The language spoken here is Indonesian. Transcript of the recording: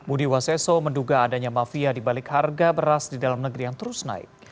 budi waseso menduga adanya mafia dibalik harga beras di dalam negeri yang terus naik